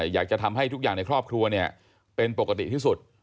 อยากจะทำให้ทุกอย่างในครอบครัวเป็นปกติที่สุด